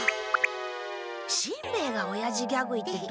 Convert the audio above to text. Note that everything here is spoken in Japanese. しんべヱがおやじギャグ言ってどうすんの？